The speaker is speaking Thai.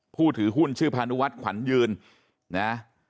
ผู้ถือหุ้นชื่อพานุวัฒน์ขวัญยืนนะ